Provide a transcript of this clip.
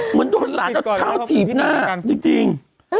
เหมือนโดนหลานเอาเท้าถีบหน้าจริง